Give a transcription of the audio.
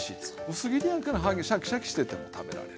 薄切りやからシャキシャキしてても食べられる。